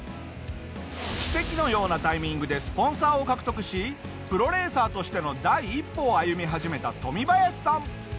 奇跡のようなタイミングでスポンサーを獲得しプロレーサーとしての第一歩を歩み始めたトミバヤシさん。